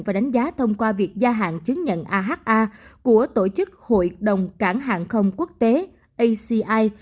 và đánh giá thông qua việc gia hạn chứng nhận aha của tổ chức hội đồng cảng hàng không quốc tế aci